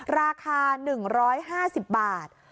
ราคา๑๕๐บาท